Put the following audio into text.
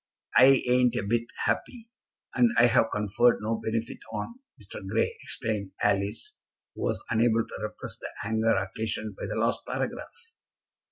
"I ain't a bit happy, and I have conferred no benefit on Mr. Grey," exclaimed Alice, who was unable to repress the anger occasioned by the last paragraph.